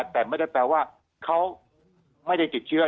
แต่ไม่ได้แปลว่าเขาไม่ได้ติดเชื้อ